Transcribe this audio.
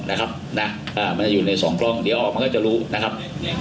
นะครับนะอ่ามันจะอยู่ในสองกล้องเดี๋ยวออกมันก็จะรู้นะครับ